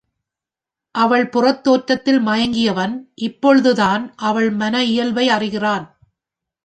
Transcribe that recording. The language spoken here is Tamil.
அவள் புறத் தோற்றத்தில் மயங்கியவன் இப்பொழுதுதான் அவள் மன இயல்பை அறிகிறான்.